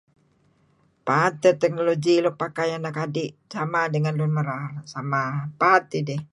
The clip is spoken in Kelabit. Paad teh technology luk pakai anak adi' sama dengan lun merar, sama,, paad tidih.